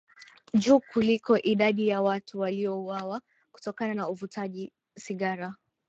juu kuliko idadi ya watu waliouawa kutokana na uvutaji sigara